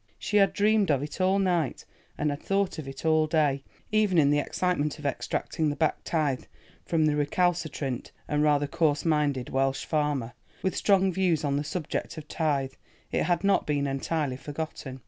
She had dreamed of it all night and had thought of it all day; even in the excitement of extracting the back tithe from the recalcitrant and rather coarse minded Welsh farmer, with strong views on the subject of tithe, it had not been entirely forgotten.